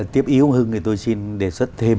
tiếp ý của hưng thì tôi xin đề xuất thêm